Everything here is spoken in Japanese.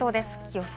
予想